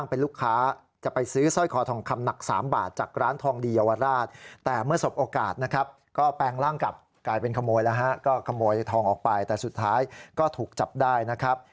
ปลอมแปลงร่างเป็นลูกค้า